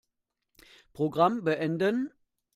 Programm beenden.